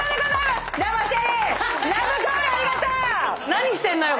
何してんのよ？